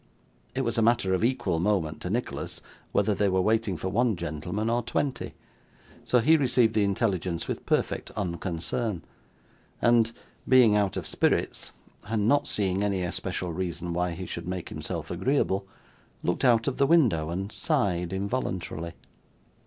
It was matter of equal moment to Nicholas whether they were waiting for one gentleman or twenty, so he received the intelligence with perfect unconcern; and, being out of spirits, and not seeing any especial reason why he should make himself agreeable, looked out of the window and sighed involuntarily.